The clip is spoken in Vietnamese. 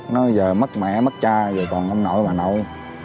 nó giờ mất mẹ mất cha còn ông nội bà nội